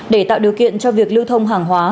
để tạo điều kiện cho việc lưu thông hàng hóa